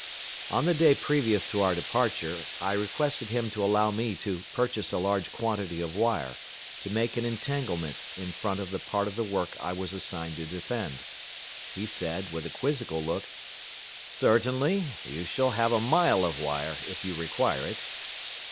On the day previous to our departure, I requested him to allow me to purchase a large quantity of wire, to make an entanglement in front of the part of the work I was assigned to defend. He said, with a quizzical look, "Certainly; you shall have a mile of wire, if you require it."